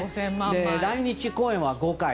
来日公演は５回。